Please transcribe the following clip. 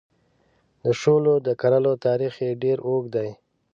د شولو د کرلو تاریخ یې ډېر اوږد دی.